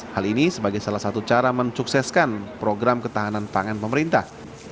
hal ini sebagai salah satu cara mensukseskan program ketahanan pangan pemerintah